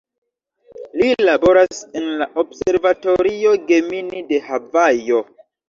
Li laboras en la Observatorio Gemini de Havajo.